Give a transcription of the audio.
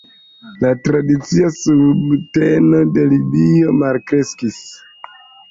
La tradicia subteno de Libio malkreskis.